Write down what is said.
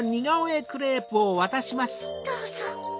どうぞ。